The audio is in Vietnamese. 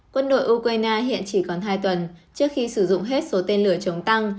quân đội ukraine hiện chỉ còn hai tuần trước khi sử dụng hết số tên lửa chống tăng